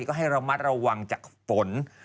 ก็ให้ระมัดระวังจากฝน